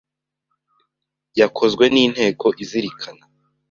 yakozwe n’Inteko Izirikana;